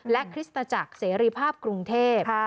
และคริสตจักรเสรีภาพกรุงเทพ